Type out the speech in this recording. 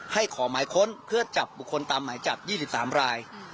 ขอหมายค้นเพื่อจับบุคคลตามหมายจับ๒๓ราย